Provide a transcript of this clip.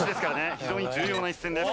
非常に重要な一戦です。